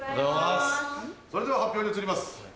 それでは発表に移ります。